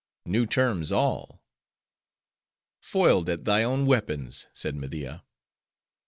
"New terms all!" "Foiled at thy own weapons," said Media.